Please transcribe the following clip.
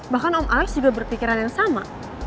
bahkan om alex juga berpikiran yang sama